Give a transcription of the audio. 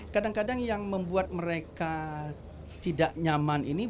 kadang kadang yang membuat mereka tidak nyaman ini